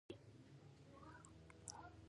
انټي بیوټیک بکتریاوې وژني